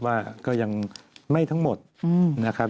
ว่าก็ยังไม่ทั้งหมดนะครับ